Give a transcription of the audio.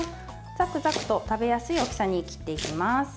ざくざくと食べやすい大きさに切っていきます。